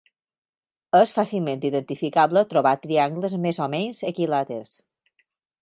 És fàcilment identificable trobar triangles més o menys equilàters.